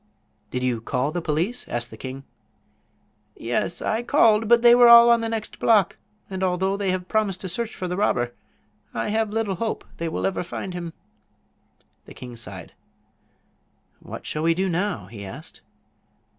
"Did you call the police?" asked the king. "Yes, I called; but they were all on the next block, and although they have promised to search for the robber I have little hope they will ever find him." The king sighed. "What shall we do now?" he asked.